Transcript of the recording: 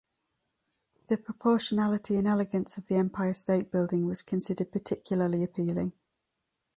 The proportionality and elegance of the Empire State Building was considered particularly appealing.